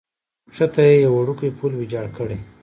کښته یې یو وړوکی پل ویجاړ کړی.